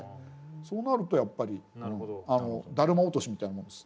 そうなるとやっぱりダルマ落としみたいなもんです。